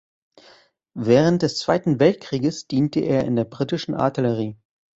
Während des Zweiten Weltkrieges diente er in der britischen Artillerie.